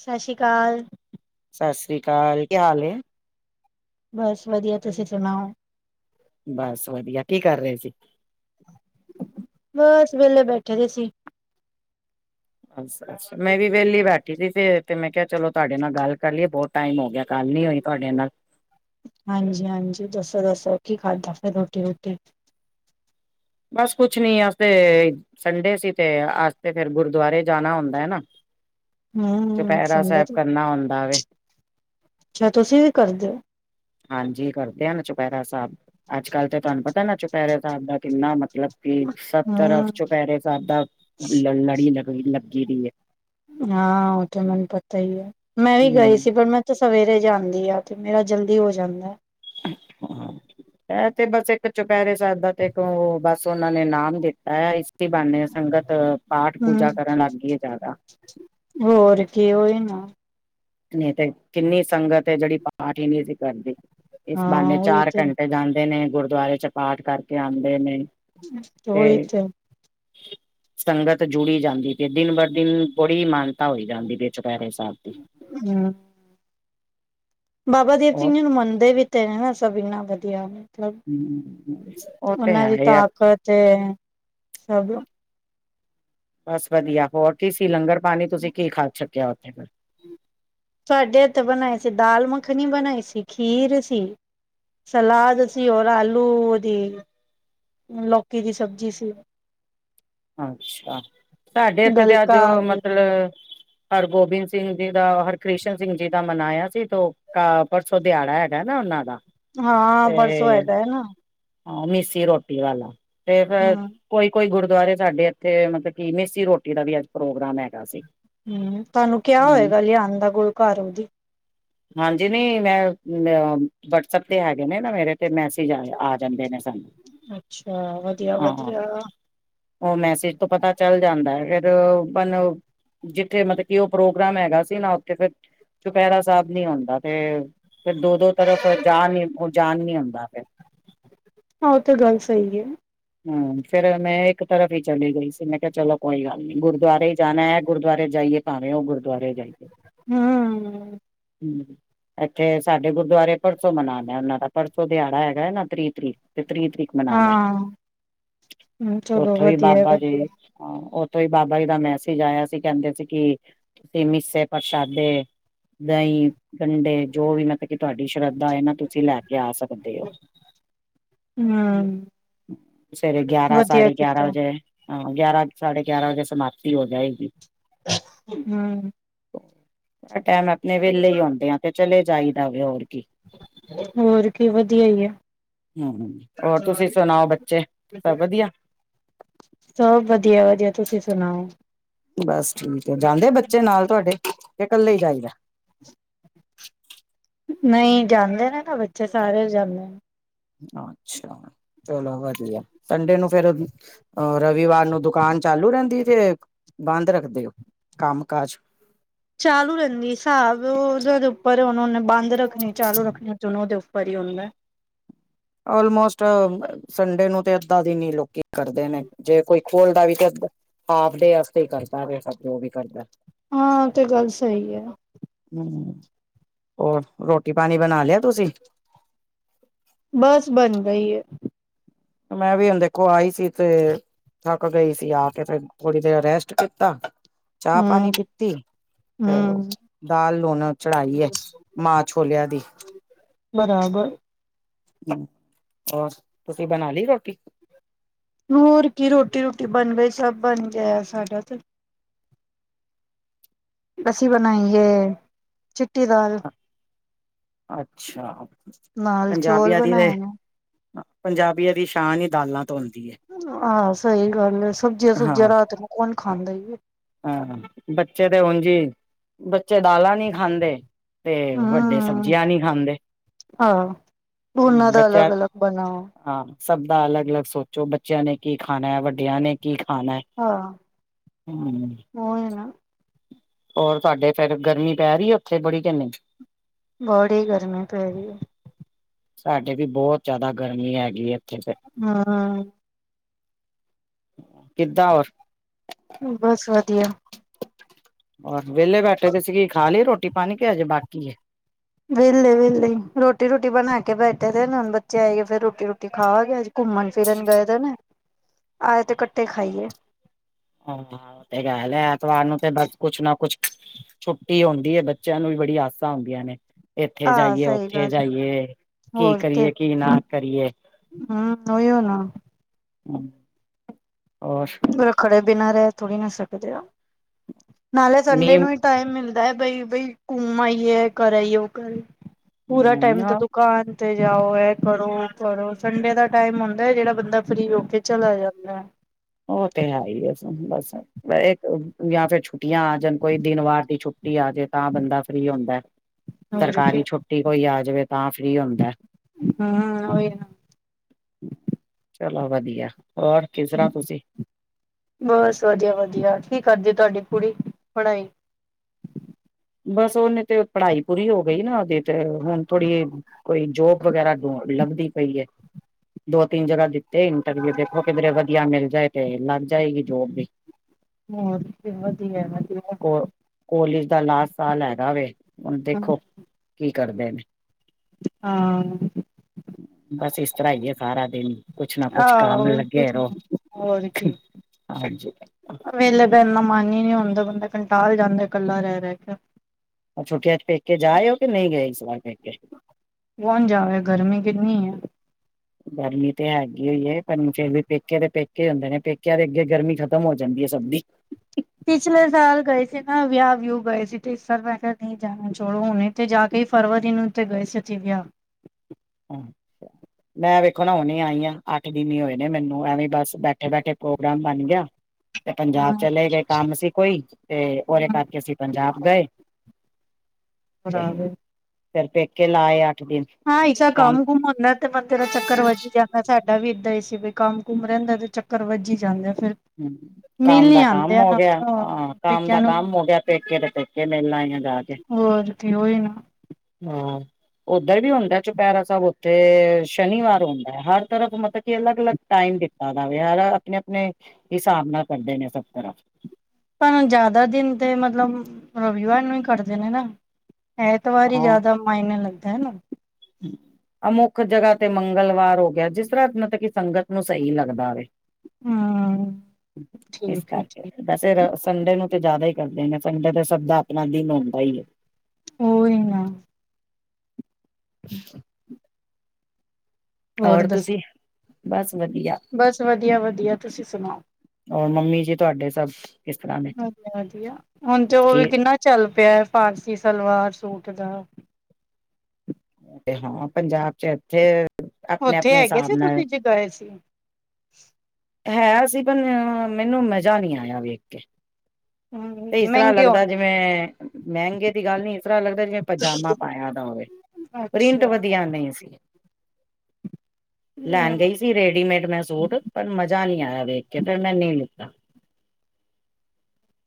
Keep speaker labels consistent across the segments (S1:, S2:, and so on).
S1: ਸਤਿ ਸ੍ਰੀ ਅਕਾਲ।
S2: ਸਤਿ ਸ੍ਰੀ ਅਕਾਲ, ਕੀ ਹਾਲ ਐ?
S1: ਬਸ ਵਧੀਆ, ਤੁਸੀਂ ਸੁਣਾਓ?
S2: ਬਸ ਵਧੀਆ, ਕੀ ਕਰ ਰਹੇ ਸੀ?
S1: ਬਸ ਵੇਲੇ ਬੈਠੇ ਦੇ ਸੀ।
S2: ਅੱਛਾ-ਅੱਛਾ, ਮੈਂ ਵੀ ਵਿਹਲੀ ਬੈਠੀ ਸੀ ਫੇਰ ਤੇ ਮੈਂ ਕਿਹਾ ਚਲੋ ਤੁਹਾਡੇ ਨਾਲ ਗੱਲ ਕਰ ਲਈਏ ਬਹੁਤ ਟਾਈਮ ਹੋ ਗਿਆ, ਗੱਲ ਨੀ ਹੋਈ ਤੁਹਾਡੇ ਨਾਲ
S1: ਹਾਂਜੀ-ਹਾਂਜੀ, ਦੱਸੋ-ਦੱਸੋ ਕੀ ਖਾਧਾ ਫਿਰ ਰੋਟੀ ਰੋਟੀ
S2: ਬਸ ਕੁਛ ਨੀ ਅ ਤੇ ਸੰਡੇ ਸੀ ਤੇ ਅੱਜ ਤੇ ਫਿਰ ਗੁਰਦੁਆਰੇ ਜਾਣਾ ਹੁੰਦਾ ਹੈ ਨਾ।
S1: ਹੂੰ,
S2: ਚੁਪਹਿਰਾ ਸਾਹਿਬ
S1: ਸੰਗਤ
S2: ਕਰਨਾ ਹੁੰਦਾ ਵ
S1: ਅੱਛਾ, ਤੁਸੀਂ ਵੀ ਕਰਦੇ ਹੋ?
S2: ਹਾਂਜੀ ਕਰਦੇ ਆ, ਨਾ ਚੁਪਹਿਰਾ ਸਾਹਿਬ ਅੱਜ-ਕੱਲ ਤੇ ਤੁਹਾਨੂੰ ਪਤਾ ਨਾ ਚੁਪਹਿਰੇ ਸਾਹਿਬ ਦਾ ਕਿੰਨਾਤ ਮਤਲਬ ਕਿ ਸਭ
S1: ਹੂੰ,
S2: ਤਰਫ ਚੁਪਹਿਰੇ ਸਾਹਿਬ ਦਾ ਲੜੀ ਲ- ਲੱਗੀ ਰਹੀ ਹੈ।
S1: ਹਾਂ। ਉਹ ਤੇ ਮੈਨੂੰ ਪਤਾ ਹੀ ਹੈ। ਮੈਂ ਵੀ ਗਈ
S2: ਹਮ
S1: ਸੀ ਪਰ ਮੈਂ ਤੇ ਸਵੇਰੇ ਜਾਂਦੀ ਆ ਤੇ ਮੇਰਾ ਜਲਦੀ ਹੋ ਜਾਂਦਾ।
S2: ਇਹ ਤੇ ਬਸ ਇੱਕ ਚੁ ਚੁਪਹਿਰੇ ਸਾਹਿਬ ਦਾ ਤੇ ਇੱਕ ਉਹ ਬਸ ਉਹਨਾਂ ਨੇ ਏ ਨਾਮ ਦਿੱਤਾ ਹੈ। ਇਸੀ ਬਾਹਨੇ ਸੰਗਤ ਪਾਠ-
S1: ਹੂੰ,
S2: ਪੂਜਾ ਕਰਨ ਲੱਗ ਗਈ ਏ ਜ਼ਿਆਦਾ
S1: ਹੋਰ ਕੀ ਹੋਹੀ ਨਾ।
S2: ਨਹੀਂ ਤੇ ਕਿੰਨੀ ਸੰਗਤ ਹੈ। ਜਿਹੜੀ ਪਾਠ ਹੀ ਨਹੀਂ ਸੀ ਕਰਦੀ। ਇਸ
S1: ਹਾਂ
S2: ਬਾਨੇ
S1: ਉਹੀ
S2: ਚਾਰ
S1: ਤੇ
S2: ਘੰਟੇ ਜਾਂਦੇ ਨੇ ਗੁਰਦੁਆਰੇ ਚ ਪਾਠ ਕਰਕੇ ਆਉਂਦੇ ਨੇ।
S1: ਉਹੀ ਤੇ
S2: [inaudible] ਸੰਗਤ ਜੁੜੀ ਜਾਂਦੀ ਪਈ ਦਿਨ ਬਰ ਦਿਨ ਬੜੀ ਮਾਨਤਾ ਹੋਈ ਜਾਂਦੀ ਪਈ ਚੁਪਹਿਰੇ ਸਾਹਿਬ ਦੀ।
S1: ਹਮ। ਬਾਬਾ ਦੀਪ
S2: ਉਹ
S1: ਸਿੰਘ ਜੀ ਨੂੰ ਮੰਨਦੇ ਵੀ ਤੇ ਸਭ ਇੰਨਾ ਵਧੀਆ।
S2: ਹਮ ਉਹ ਤੇ
S1: ਉਹਨਾਂ
S2: ਹੈ
S1: ਦੀ
S2: ਹੀ ਆ।
S1: ਤਾਕਤ, ਸਭ
S2: ਬਸ ਵਧੀਆ ਹੋਰ ਕੀ ਸੀ ਲੰਗਰ ਪਾਣੀ ਤੁਸੀਂ ਕੀ ਖਾ ਸਕੱਕਿਆ। ਉਥੇ ਫਿਰ?
S1: ਸਾਡੇ ਏਥੇ ਬਣਾਏ ਸੀ ਦਾਲ- ਮੱਖਣੀ ਬਣਾਈ ਸੀ। ਖੀਰ ਸੀ। ਸਲਾਦ। ਅਸੀਂ ਹੋਰ ਆਲੂ ਉਹਦੀ ਲੋਕੀ ਦੀ ਸਬਜ਼ੀ ਸੀ।
S2: ਅੱਛਾ ਆ ਸਾਡੇ ਇੱਥੇ ਤੇ ਅੱਜ
S1: ਗਲਕਾ ਆਲੂ ਦੀ
S2: ਮਤਲਬ ਹਰਗੋਬਿੰਦ ਸਿੰਘ ਸਿੰਘ ਜੀ ਦਾ ਹਰਿਕ੍ਰਿਸ਼ਨ ਸਿੰਘ ਜੀ ਦਾ ਮਨਾਇਆ ਸੀ ਤੋਂ ਪਰਸੋਂ ਦਿਹਾੜਾ ਹੈਗਾ ਨਾ ਉਹਨਾਂ ਦਾ
S1: ਹਾਂ। ਪਰਸੋਂ ਹੈਗਾ ਹੈ ਨਾ।
S2: ਹਾਂ। ਮੀਸੀ ਰੋਟੀ ਵਾਲਾ ਤੇ ਫਿਰ
S1: ਹਮ
S2: ਕੋਈ- ਕੋਈ ਗੁਰਦ ਦੁਆਰੇ ਸਾਡੇ ਇੱਥੇ ਮਤਲਬ ਕਿ ਮੀਸੀ ਰੋਟੀ ਦਾ ਵੀ ਅੱਜ ਪ੍ਰੋਗਰਾਮ ਹੈਗਾ ਸੀ।
S1: ਹਮ। ਤੁਹਾਨੂੰ ਕਿਆ
S2: ਹਮ
S1: ਹੋਏਗਾ ਲਿਆਉਣ ਦਾ ਗੁਰੂ ਘਰੋਂ ਦੀ
S2: ਹਾਂਜੀ। ਨਹੀਂ ਮੈਂ- ਮੈ ਵਟਸਐਪ ਤੇ ਹੈਗੇ ਨੇ ਨਾ ਮੇਰੇ ਤੇ ਮੈਸੇਜ ਆਯਾ ਆ। ਜਾਂਦੇ ਨੇ ਸਾਨੂੰ
S1: ਅੱਛਾ। ਵਧੀਆ-
S2: ਹਾਂ
S1: ਵਧੀਆ
S2: ਉਹ ਮੈਸੇਜ ਤੋਂ ਪਤਾ ਚੱਲ ਜਾਂਦਾ। ਫਿਰ ਬਣ ਜਿੱਥੇ ਮਤਲਬ ਕਿ ਉਹ ਪ੍ਰੋਗਰਾਮ ਹੈਗਾ ਸੀ। ਨਾ ਉੱਥੇ ਫਿਰ ਚੁਪਹਿਰਾ ਸਾਹਿਬ ਨੀ ਔਂਦਾ ਤੇ ਫਿਰ ਦੋ- ਦੋ ਤਰਫ ਜਾਣ ਨੀ, ਜਾਣ ਨੀ ਹੁੰਦਾ। ਫਿਰ
S1: ਹਾਂ, ਤੇ ਗੱਲ ਸਹੀ ਹੈ।
S2: ਹਮ ।ਫੇਰ ਮੈਂ ਇੱਕ ਤਰਫ ਹੀ ਚਲੀ ਗਈ ਮੈਂ ਕਿਹਾ ਚਲੋ ਕੋਈ ਗੱਲ ਨੀ ਗੁਰਦੁਆਰੇ ਹੀ ਜਾਣਾ ਹੈ। ਗੁਰਦੁਆਰੇ ਜਾਈਏ। ਪਾਵੇ ਉਹ ਗੁਰਦੁਆਰੇ ਜਾਈਏ।
S1: ਹਮ
S2: ਹਮ। ਇੱਥੇ ਸਾਡੇ ਗੁਰਦੁਆਰੇ ਪਰਸੋਂ ਮਨਾਨਾ ਉਹਨਾਂ ਦਾ ਪਰਸੋਂ ਦਿਹਾੜਾ ਹੈਗਾ ਨਾ ਤਰੀਹ ਤਰੀਕ। ਤਰੀਹ ਤਰੀਕ ਮਨਾਣਾ।
S1: ਹਾਂ
S2: ਤੇ
S1: ਚਲੋ
S2: ਉੱਥੋਂ ਵੀ
S1: ਵਧੀਆ
S2: ਬਾਬਾ ਜੀ
S1: ਵਧੀਆ
S2: ਉ ਓਥੋਂ ਹੀ ਬਾਬਾ ਜੀ ਦਾ ਮੈਸੇਜ ਆਇਆ ਸੀ ਕਹਿੰਦੇ ਸੀ ਕਿ, ਤੁਸੀਂ ਮਿੱਸੇ ਪ੍ਰਸ਼ਾਦੇ ਦਹੀਂ ਗੰਡੇ ਜੋ ਵੀ ਮਤਲਬ ਕਿ ਤੁਹਾਡੀ ਸ਼ਰਧਾ ਇਹ ਨਾ ਤੁਸੀਂ ਲੈ ਕੇ ਆ ਸਕਦੇ ਹੋ। [inaudible]
S1: ਹਮ।
S2: ਸਵੇਰੇ ਗਿਆਰਾਂ-
S1: ਵਧੀਆ
S2: ਸਾਢੇ ਗਿਆਰਾਂ
S1: ਕੀਤਾ
S2: ਵਜੇ ਹਾਂ ਗਿਆਰਾਂ- ਸਾਢੇ ਗਿਆਰਾਂ ਵਜੇ ਸਮਾਪਤੀ ਹੋ ਜਾਏਗੀ।
S1: ਹਮ।
S2: ਪਰ ਟਾਈਮ ਆਪਣੇ ਵਿਹਲੇ ਹੀ ਆਉਂਦੇ ਆ ਤੇ ਚਲੇ ਜਾਈਦਾ ਵੇ ਹੋਰ ਕੀ।
S1: ਹੋਰ ਕੀ ਵਧੀਆ ਇਹੇ।
S2: ਹਮ ਹੋਰ ਤੁਸੀਂ ਸੁਣਾਓ ਬੱਚੇ ਸਭ ਵਧੀਆ
S1: ਸਭ ਵਧੀਆ -ਵਧੀਆ ਤੁਸੀਂ ਸੁਣਾਓ?
S2: ਬਸ ਠੀਕ ਹੈ। ਜਾਂਦੇ ਬੱਚੇ ਨਾਲ ਤੁਹਾਡੇ, ਕੇ ਕੱਲੇ ਹੀ ਜਾਈਦਾ।
S1: ਨਹੀਂ, ਜਾਂਦੇ ਨੇ ਨਾ ਬੱਚੇ ਸਾਰੇ ਜਾਂਦੇ ਨੇ।
S2: ਅੱਛਾ। ਚਲੋ ਵਧੀਆ। ਸੰਡੇ ਨੂੰ ਫੇਰ ਅ ਰਵੀਵਾਰ ਨੂੰ ਦੁਕਾਨ ਚਾਲੂ ਰਹਿੰਦੀ ਏ। ਤੇ ਬੰਦ ਰੱਖਦੇ ਹੋ। ਕੰਮ -ਕਾਜ
S1: ਚਾਲੂ ਰਹਿੰਦੀ ਹਿਸਾਬ ਉਹ ਓਨਾ ਦੇ ਉੱਪਰ ਏ, ਹੁਣ ਓਨੇ ਬੰਦ ਰੱਖਨੀ, ਚਾਲੂ ਰੱਖਨੀ ਏ ਚਲੋ ਓਹਦੇ ਉੱਪਰ ਹਿਏ। ਕਿ ਹੋਂਦਾ।
S2: ਆਲਮੋਸਟ ਸੰਡੇ ਨੂੰ ਤੇ ਅੱਧਾ ਦਿਨ ਈ ਲੋਕੀ ਕਰਦੇ ਨੇ ਜੇ ਕੋਈ ਬੋਲ ਦਾ ਵੀ [unintelligible] ਹਾਫ ਡੇ ਆਸਤੇ ਈ ਕਰਦਾ ਵੇਦਾ ਜੋ ਵੀ ਕਰਦਾ।
S1: ਹਾਂ ਤੇ ਗੱਲ ਸਈ ਏ ਨਾ।
S2: ਹੋਰ ਰੋਟੀ-ਪਾਣੀ ਬਣਾ ਲਿਆ ਤੁਸੀਂ।
S1: ਬਸ ਬਣ ਗਈ ਏ।
S2: ਮੈਂ ਵੀ ਹੁਣ ਦੇਖੋ ਆਈ ਸੀ ਤੇ ਥੱਕ ਗਈ ਸੀ ਆ ਕੇ ਫਿਰ ਥੋੜੀ ਦੇਰ ਰੈਸਟ ਕੀਤਾ
S1: ਹਮ
S2: ਚਾਹ-ਪਾਣੀ ਪੀਤੀ। ਤੇ
S1: ਹਮ
S2: ਦਾਲ ਹੁਣ ਚੜਾਈ ਐ ਮਾਂ ਛੋਲਿਆਂ ਦੀ।
S1: ਬਰਾਬਰ।
S2: ਹੂੰ ਓਰ ਤੁਸੀਂ ਬਣਾ ਲਈ ਰੋਟੀ।
S1: ਹੋਰ ਕੀ ਰੋਟੀ- ਰੁਟੀ ਬਣ ਗਈ ਸਬ ਬਣ ਗਿਆ ਸਾਡਾ ਤੇ ਅੱਸੀ ਬਣਾਈਏ ਚਿੱਟੀ ਦਾਲ।
S2: ਅੱਛਾ
S1: ਨਾਲ
S2: ਪੰਜਾਬੀ
S1: ਚੌਲ
S2: ਆਦਿ ਦੇ
S1: ਬਣਾਏ ਨੇ।
S2: ਪੰਜਾਬੀਆਂ ਦੀ ਸ਼ਾਨ ਈ ਦਾਲਾਂ। ਤੋਂ ਹੁੰਦੀ ਹੈ
S1: ਆਹ ਸਈ ਗੱਲ ਐ, ਸਬਜ਼ੀਆਂ-ਸੁਬਜ਼ੀਆਂ
S2: ਹਾਂ
S1: ਰਾਤ ਨੂੰ ਕੌਣ ਖਾਂਦਾ ਈ ਨਈ।
S2: ਹਾਂ ਬੱਚੇ ਤੇ ਓਂਜ ਈ। ਬੱਚੇ ਦਾਲਾਂ ਨੀ ਖਾਂਦੇ ਤੇ ਵੱਡੇ ਸਬਜ਼ੀਆਂ ਨੀ ਖਾਂਦੇ।
S1: ਓਨਾ ਦਾ ਅਲੱਗ-ਅਲੱਗ ਬਣਾਓ।
S2: ਸਬ ਦਾ ਅਲੱਗ-ਅਲੱਗ ਸੋਚੋ, ਬੱਚਿਆਂ ਨੇ ਕੀ ਖਾਣਾ ਐ, ਵੱਡਿਆਂ ਨੇ ਕੀ ਆਣਾ ਹੂੰ।
S1: ਓਈ ਨਾ।
S2: ਓਰ ਤੁਆਡੇ ਫਿਰ ਗਰਮੀ ਪੈ ਰਈ ਉੱਥੇ ਬੜੀ ਕੇ ਨਈ।
S1: ਬੜੀ ਗਰਮੀ ਪੈ ਰੀ ਐ।
S2: ਸਾਡੇ ਵੀ ਬਹੁਤ ਜਿਆਦਾ ਗਰਮੀ ਹੈਗੀ ਏ ਇੱਥੇ ਤੇ।
S1: ਹੂੰ।
S2: ਕਿੱਦਾਂ ਹੋਰ
S1: ਬਸ ਵਦੀਆ।
S2: ਓਰ ਵਿਹਲੇ ਬੈਠੇ ਤੇ ਸੀ ਗੀ ਖਾ ਲਈ ਰੋਟੀ-ਪਾਣੀ ਕੇ ਅਜੇ ਬਾਕੀ ਏ।
S1: ਵਿਹਲੇ-ਵਿਹਲੇ ਰੋਟੀ ਰੂਟੀ ਬਣਾ ਕੇ ਬੈਠੇ ਦੇ ਨੇ ਹੁਣ ਬੱਚੇ ਆਏ ਫਿਰ ਰੋਟੀ-ਰੁਟੀ ਖਾ ਗਏ ਅਜ ਘੁੰਮਣ ਫਿਰਨ ਗਏ ਦੇ ਨੇ ਆਏ ਤੇ ਕੱਠੇ ਖਾਈਏ।
S2: ਹਾਂ, ਤੇ ਗੱਲ ਐਤਵਾਰ ਨੂੰ ਤੇ ਬਸ ਕੁਛ ਨਾ ਕੁਛ ਛੁੱਟੀ ਹੋਂਦੀ ਏ ਬੱਚਿਆਂ ਨੂੰ ਵੀ ਬੜੀ ਆਸਾਂ ਹੂਂਦੀਆਂ ਨੇ। ਇੱਥੇ
S1: ਆਹ
S2: ਜਾਈਏ,
S1: ਸਹੀ
S2: ਉੱਥੇ
S1: ਗੱਲ ਹੈ
S2: ਜਾਈਏ ਕੀ
S1: ਹੋਰ
S2: ਕਰੀਏ, ਕੀ ਨਾ ਕਰੀਏ।
S1: ਤਾ ਓਹੀਓ ਨਾ।
S2: ਹੂੰ।
S1: ਖੜੇ ਬਿਨਾਂ ਰੈ ਥੋੜੀ ਨਾ ਸਕਦੇ ਆ, ਨਾਲੇ ਸੰਡੇ
S2: ਨੀਮ
S1: ਨੂੰ ਈ ਟਾਇਮ ਏ ਬਈ-ਬਈ ਘੁੰਮ ਆਈਏ, ਕਰ ਆਈਏ ਉਹ ਕਰ ਪੂਰਾ ਟਾਈਮ ਤਾਂ
S2: ਹ
S1: ਦੁਕਾਨ ਤੇ ਜਾਓ ਇਹ ਕਰੋ ਓਹ ਕਰੋ ਸੰਡੇ ਦਾ ਟਾਈਮ ਹੁੰਦਾ ਜਿਹੜਾ ਬੰਦਾ ਫ੍ਰੀ ਹੋ ਕੇ ਚਲਾ ਜਾਂਦਾ।
S2: ਉਹ ਤੇ ਹੈ ਈ ਸਬ ਬਸ ਯਾ ਫਿਰ ਛੁੱਟੀਆਂ ਆ ਜਾਣ ਕੋਈ ਦਿਨ ਵਾਰ ਦੀ ਛੁੱਟੀ ਛੁੱਟੀ ਆਜੇ ਤਾਂ ਬੰਦਾ ਫ੍ਰੀ ਹੁੰਦਾ।
S1: ਹੋਰ ਕੀ
S2: ਸਰਕਾਰੀ ਛੁੱਟੀ ਕੋਈ ਆ ਜਾਵੇ ਤਾਂ ਫੀ੍ ਹੁੰਦਾ।
S1: ਹਾਂ ਓਈ ਆ।
S2: ਵਦੀਆ, ਹੋਰ ਕਿਸ ਤਰ੍ਹਾਂ ਤੁਸੀਂ
S1: ਬਸ ਵਦੀਆ-ਵਦੀਆ ਕੀ ਕਰਦੇ ਤੁਹਾਡੀ ਕੁੜੀ ਪੜਾਈ।
S2: ਬਸ ਉਹਨੇ ਤੇ ਪੜ੍ਹਾਈ ਪੂਰੀ ਹੋ ਗਈ ਨਾ ਉਹਦੀ ਤੇ ਹੁਣ ਥੋੜੀ ਕੋਈ ਜੋਬ ਵਗੈਰਾ ਢੁੰਢ ਲੱਬਦੀ ਪਈ ਏ ਦੋ-ਤਿੰਨ ਜਗਾਂ ਦਿੱ ਤੇ ਇੰਟਰਵਿਊ ਦੇਖੋ ਕਿਧਰੇ ਵਦੀਆ ਮਿਲ ਜਾਏ ਤੇ ਲੱਗ ਜਾਏਗੀ ਜੋਬ ਵੀ।
S1: ਹੋਰ ਕੀ ਵਧੀਆ ਵਧੀਆ
S2: ਕਾਲਜ ਦਾ ਨਾ ਲੈਗਾ ਵਵੇ ਹੁਣ ਦੇਖੋ ਕੀ ਕਰਦੇ ਨੇ।
S1: ਹਾਂ।
S2: ਬਸ ਇਸ ਤਰ੍ਹਾਂ ਹੀ ਹੈ ਸਾਰਾ ਦਿਨ ਕੁਛ ਨਾ ਕੁਛ ਕੰਮ
S1: ਆਹੋ
S2: ਲੱਗੇ
S1: ਕੁਝ
S2: ਰਹੋ।
S1: ਨੀ। ਹੋਰ ਕਿ
S2: ਹਾਂਜੀ
S1: ਵੇਲੇ ਬੈਨ ਦਾ ਇੰਨਾ ਮਨ ਹੀ ਨੀ ਹੁੱਦਾ ਬੰਦਾ ਕੰਟਾਲ ਜਾਂਦੇ ਕੱਲਾ ਰਹਿ ਰਹਿ ਕੇ।
S2: ਛੁੱਟੀਆਂ ਚ ਫਿਰ ਪੇਕੇ ਜਾਏ ਹੋ ਕੇ ਨਹੀਂ ਗਏ ਇਸ ਵਾਰ ਫ
S1: ਕੌਣ ਜਾਵੇ ਗਰਮੀ ਕਿੰਨੀ ਹੈ।
S2: ਗਰਮੀ ਤੇ ਹੈਗੀ ਏ ਪਰ ਪੇਕੇ ਦੇ ਪੇਕੇ ਹੁੰਦੇ ਨੇ ਪੇਕਿਆਂ ਦੇ ਅੱਗੇ ਗਰਮੀ ਖਤਮ ਹੋ ਜਾਂਦੀ ਹੈ। ਸਬਦੀ
S1: ਪਿਛਲੇ ਸਾਲ ਗਏ ਸੀ ਨਾ ਵਿਆਹ ਵਿਊਹ ਗਏ ਸੀ ਤੇ ਇਸ ਸ ਮੈਂ ਕਿਹਾ ਨਹੀਂ ਜਾਣਾ ਚੋੜੋ ਹੁਣੇ ਤੇ ਜਾ ਕੇ ਫਰਵਰੀ ਨੂੰ ਤੇ ਗਏ ਸ ਵਿਆਹ
S2: ਮੈਂ ਵੇਖੋ ਨਾ ਹੁਣੀ ਆਈ ਆ ਅੱਠ ਦਿਨ ਹੀ ਹੋਏ ਨੇ ਮੈਨੂੰ ਐਵੇਂ ਬਸ ਬੈਠੇ ਬੈਠੇ ਪ੍ਰੋਗਰਾਮ ਬਣ ਗਿਆ। ਤੇ ਪੰਜਾਬ
S1: ਹਾਂ।
S2: ਚਲੇ ਗਏ ਕੰਮ ਸੀ ਕੋਈ ਤੇ ਉਹਦੇ ਕਰਕੇ ਅਸੀਂ ਪੰਜਾਬ ਗਏ
S1: ਖਰਾਬ ਹੈ।
S2: ਫਿਰ ਪੇਕੇ ਲਾਏ ਅੱਠ ਦਿਨ
S1: ਕੰਮ ਘੁੰਮਾਉਂਦਾ ਤੇ ਬੰਦੇ ਦਾ ਚੱਕਰ ਵੱਜ ਜਾਂਦਾ। ਤੁਹਾਡਾ ਵੀ ਏਦਾਂ ਹੀ ਸੀ ਕੰਮ ਕੁਮ ਰਹਿੰਦਾ ਤੇ ਚੱਕਰ ਵੱਜੀ ਹੀ ਜਾਂਦਾ।
S2: ਹੂ ਕੰਮ ਦਾ ਕੰਮ ਹੋ ਗਿਆ ਹਾਂ ਕੰਮ
S1: ਪੇਕਿਆਂ
S2: ਦਾ
S1: ਨੂੰ
S2: ਕੰਮ ਹੋ ਗਿਆ ਪੇਕੇ ਤੇ ਪੇਕੇ ਮੇਲਾ
S1: ਹੋਰ ਤੇ ਹੋਈ ਨਾ।
S2: ਹਾਂ। ਉੱਧਰ ਵੀ ਹੁੰਦਾ ਚੁਪੈਰਾ ਸਾਹਿਬ ਉੱਥੇ ਸ਼ਨੀਵਾਰ ਹੁੰਦਾ ਹੈ ਹਰ ਤਰਫ ਮਤਲਬ ਕਿ ਅਲੱਗ ਅਲੱਗ ਟਮ ਦਿੱਤਾ ਜਾਵੇ ਯਾਰ ਆਪਣੇ ਆਪਣੇ ਹਿਸਾਬ ਨਾਲ ਕਰਦੇ ਨੇ ਸਭ ਤਰਫ
S1: ਭ ਜ਼ਿਆਦਾ ਦਿਨ ਤੇ ਮਤਲਬ ਰਵੀਵਾਰ ਨੂੰ ਹੀ ਕੱਟਦੇ ਨੇ ਨਾ। ਐਤਵਾਰ ਜ਼ਿਆਦਾ ਮਾਇਨ ਲੱਗਦਾ ਹੈਨਾ।
S2: ਅਮੁੱਖ ਜਗਾ ਤੇ ਮੰਗਲਵਾਰ ਹੋ ਗਿਆ ਜਿਸ ਤਰ੍ਹਾਂ ਮਤਲਬ ਕਿ ਸੰਗਤ ਨੂੰ ਸਹੀ ਲੱਗਦਾ ਵਵੇ।
S1: ਹੂੰ
S2: ਇਸ
S1: ਠੀਕ ਹੈ
S2: ਕਰਕੇ
S1: ਠੀਕ
S2: ਵੈਸੇ ਸੰਡੇ ਨੂੰ ਤੇ ਜ਼ਿਆਦਾ ਹੀ ਕਰਦੇ ਨੇ ਸੰਗ ਤਾਂ ਸਭ ਦਾ ਆਪਣਾ ਦਿਨ ਹੁੰਦਾ ਹੀ ਹੈ।
S1: ਉਹੀ ਨਾ।
S2: [inaudible] ਹੋਰ ਤੁਸੀਂ ਬਸ ਵਧੀਆ
S1: ਬਸ ਵਧੀਆ ਵਧੀਆ ਤੁਸੀਂ ਸੁਣਾਓ।
S2: ਹੋਰ ਮੰਮੀ ਜੀ ਤੁਹਾਡੇ ਸਭ ਕਿਸ ਤਰ੍ਹਾਂ ਨੇ
S1: ਵਧੀਆ ਵਧੀਆ ਹੁਣ ਤੇ ਉਹ ਵੀ
S2: ਠੀਕ
S1: ਕਿੰਨਾ ਚੱਲ ਪਿਆ ਫਾਂਸੀ ਸਲਵਾਰ ਸੂਟ ਦਾ।
S2: ਤੇ ਹਾਂ ਪੰਜਾਬ ਚ ਇੱਥੇ ਆਪਣੇ
S1: ਉੱਥੇ
S2: ਆਪਣੇ
S1: ਹੈਗੇ
S2: ਹਿਸਾਬ
S1: ਸੀ
S2: ਨਾਲ
S1: ਤੁਸੀਂ ਜੇ ਗਏ ਸੀ।
S2: ਹੈ ਸੀ ਪਰ ਮੈਨੂੰ ਮਜ਼ਾ ਨਹੀਂ ਆਇਆ ਵੇਖ ਕੇ
S1: ਹੂ ।
S2: ਤੇ ਇਸ ਤਰ੍ਹਾਂ ਲੱਗਦਾ ਜਿਵੇਂ ਮਹਿੰਗੇ ਦੀ ਗੱਲ ਨੀ ਇਸ ਤਰ੍ਹਾਂ ਲੱਗਦਾ ਜਿਵੇਂ ਪਜਾਮਾ ਪਾਇਆ ਦਾ ਹੋਵੇ। ਪ੍ਰਿੰਟ
S1: ਅੱਛਾ
S2: ਵਧੀਆ ਨਹੀਂ ਸੀ। ਲੈਣ ਗਈ ਸੀ ਰੇਡੀਮੇਡ ਮੈਂ ਸੂਟ ਪਰ ਮਜ਼ਾ ਨਹੀਂ ਆਇਆ। ਇਹ ਵੇਖ ਕੇ ਮੈਂ ਨਹੀਂ ਲਿਤਾ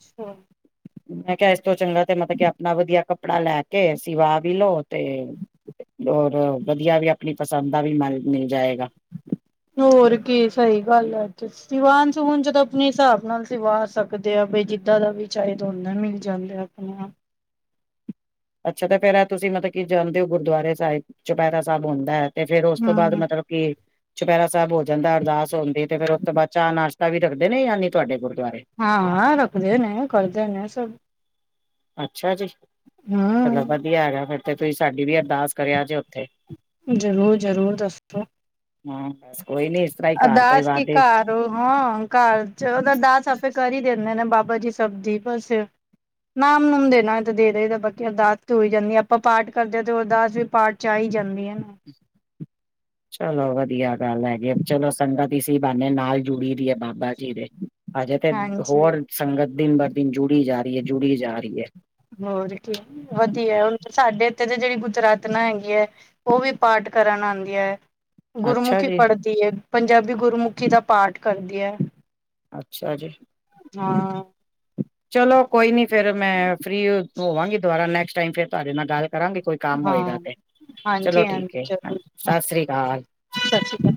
S1: ਅੱਛਾ।
S2: ਮੈਂ ਕਿਹਾ ਇਸ ਤੋਂ ਚੰਗਾ ਤੇ ਮਤਲਬ ਕਿ ਆਪਣਾ ਵਧੀਆ ਕੱਪੜਾ ਲੈ ਕੇ ਸਿਵਾ ਵੀ ਲੋਓ ਤੇ ਹੋਰ ਵਧੀਆ ਵੀ ਆਪਣੀ ਪਸੰਦ ਦਾ ਵੀ ਮ ਮਿਲ ਜਾਏਗਾ।
S1: ਹੋਰ ਕੀ ਸਹੀ ਗੱਲ ਹੈ ਅੱਜ। ਦੀਵਾਨ ਸਵਣ ਜਦੋਂ ਆਪਣੇ ਹਿਸਾਬ ਨਾਲ ਸਵਾਰ ਸਕਦੇ ਆ ਬ ਜਿੱਦਾਂ ਦਾ ਵੀ ਚੇਦ ਓਨਾ ਮਿਲ ਜਾਂਦਾ। ਆਪਣਾ।
S2: ਅੱਛਾ ਤੇ ਫੇਰ ਤੁਸੀਂ ਮਤਲਬ, ਕੀ ਜਾਂਦੇ ਹੋ ਗੁਰਦੁਆਰੇ ਸਾਹਿਬ ਚੁਪਹਿਰਾ ਸਾਹਿਬ ਹੁੰਦਾ ਹੈ। ਤੇ ਫੇਰ ਉਸ ਤੋਂ ਬਾਅਦ
S1: ਹੂੰ
S2: ਮਤਲਬ ਕਿ ਚੁਪਹਿਰਾ ਸਾਹਿਬ ਹੋ ਜਾਂਦਾ, ਅਰਦਾਸ ਹੁੰਦੀ ਤੇ ਫੇਰ ਉਸ ਤੋਂ ਬਾਅਦ ਚਾਅ ਨਾਸ਼ਤਾ ਵੀ ਰੱਖਦੇ ਨੇ ਯਾਨੀ ਤੁਹਾਡੇ ਕੋਲ
S1: ਹਾਂ ਰੱਖਦੇ ਨੇ ਕਰਦੇ ਨੇ ਸਭ
S2: ਅੱਛਾ ਜੀ ਚਲੋ
S1: ਹੂੰ
S2: ਵਧੀਆ ਹੈਗਾ, ਫਿਰ ਤੇ ਤੁਸੀਂ ਸਾਡੀ ਵੀ ਅਰਦਾਸ ਕਰਿਆ ਜੇ ਉੱਥੇ
S1: ਜ਼ਰੂਰ ਜ਼ਰੂਰ ਦੱਸੋ।
S2: ਹਾਂ। ਕੋਈ ਨੀ ਇਸ ਤਰ੍ਹਾਂ ਹੀ ਘਰ
S1: ਅਰਦਾਸ
S2: ਪਰਿਵਾਰ
S1: ਕੀ
S2: ਦੇ
S1: ਘਰ ਉਹ ਹਾਂ, ਘਰ ਚ ਉਹਦਾ ਦਾਸ ਆਪੇ ਕਰ ਹੀ ਦਿੰਦੇ ਨੇ ਬਾਬਾ ਜੀ ਸਬ ਦੀ ਬਸ ਨਾਮ ਨੂਮ ਦੇਣਾ ਤੇ ਦੇ ਦਈ ਤਾਂ ਬਾਕੀ ਅਰਦਾਸ ਚ ਹੋਈ ਜਾਂਦੀ ਹੈ, ਆਪਾਂ ਪਾਠ ਕਰਦੇ ਹਾਂ ਤੇ ਅਰਦਾਸ ਵੀ ਪਾਠ ਚ ਆ ਹੀ ਜਾਂਦੀ ਹੈ। ਨਾ
S2: [inaudible] ਚਲੋ ਵਧੀਆ ਗੱਲ ਹੈਗੀ, ਚਲੋ ਸੰਗਤ ਈਸੀ ਬਾਨੇ ਨਾਲ ਜੁੜੀ ਦੀ ਏ ਬਾਬਾ ਜੀ ਦੇ। ਹਜੇ ਤੇ
S1: ਹਾਂਜੀ
S2: ਹੋਰ ਸੰਗਤ ਦਿਨ ਬਰ ਦਿਨ ਜੂ
S1: ਹੋਰ ਕੀ ਵਧੀਆ ਏ, ਹੁਣ ਸਾਡੇ ਏਥੇ ਦੀ ਜਿਹੜੀ ਗੁਜਰਾਤਨਾ ਹੈਗੀ ਏ, ਔਹ ਵੀ ਪਾਠ ਕਰਨ ਆਂਦੀ ਏ।
S2: ਅੱਛਾ
S1: ਗੁਰਮੁਖੀ
S2: ਜੀ,
S1: ਪੜਦੀ ਏ, ਪੰਜਾਬੀ ਗੁਰਮੁਖੀ ਦਾ ਪਾਠ ਕਰਦੀ ਐ।
S2: ਅੱਛਾ ਜੀ।
S1: ਹਾਂ।
S2: ਚਲੋ ਕੋਈ ਨੀ, ਫੇਰ ਮੈਂ ਫਰੀ ਹੋਵਾਂਗੀ, ਦੁਬਾਰਾ ਨੈਕਸਟ ਟਾਈਮ ਫਿਰ ਤੁਹਾਡੇ ਨਾਲ ਗੱਲ ਕਰਾਂਗੀ, ਕੋਈ ਕੰਮ ਹੋਏਗਾ
S1: ਹਾਂ
S2: ਤੇ। ਚਲੋ
S1: ਹਾਂਜੀ ਹਾਂਜੀ
S2: ਠੀਕ ਏ,
S1: ਜ਼ਰੂਰ ਹਾਂ
S2: ਸਾਸਰੀ ਅਕਾਲ।
S1: ਸਤਿ ਸ਼੍ਰੀ ਅਕਾਲ